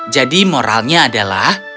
jadi moralnya adalah